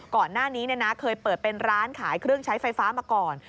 ก่อนหน้านี้เคยเปิดเป็นร้านขายเครื่องใช้ไฟฟ้ามาก่อน